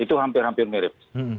itu hampir hampir mirip